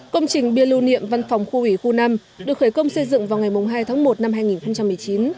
công trình bia lưu niệm văn phòng khu ủy khu năm được khởi công xây dựng vào ngày hai tháng một năm hai nghìn một mươi chín